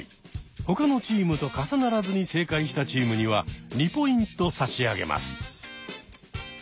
ほかのチームと重ならずに正解したチームには２ポイント差し上げます。